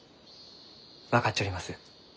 分かっちょります。